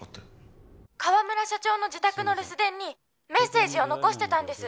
☎河村社長の自宅の留守電にメッセージを残してたんです